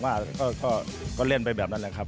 ว่าก็เล่นไปแบบนั้นแหละครับ